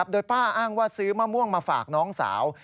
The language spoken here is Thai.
โดยป้าอ้างว่าซื้อมะม่วงมาฝากน้องสาว